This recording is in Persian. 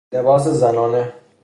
لباس زنانه